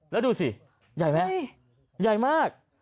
แล้วดูสิใหญ่ไหมใหญ่มาก